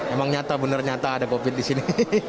emang nyata benar nyata ada covid di sini